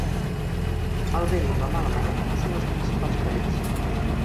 El vent i la mala maror són els principals perills.